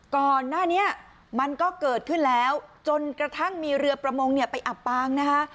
ก่อนหน้านี้มันก็เกิดขึ้นแล้วจนกระทั่งมีเรือประมงเนี่ยไปอับปางนะคะ